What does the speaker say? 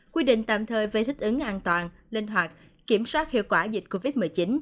quy định tạm thời về thích ứng an toàn linh hoạt kiểm soát hiệu quả dịch covid một mươi chín